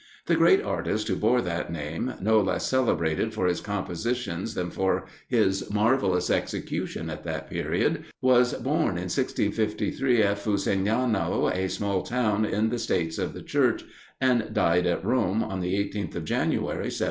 The great artist who bore that name, no less celebrated for his compositions than for his marvellous execution at that period, was born in 1653, at Fusignano, a small town in the States of the Church, and died at Rome, on the 18th of January, 1713.